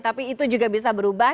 tapi itu juga bisa berubah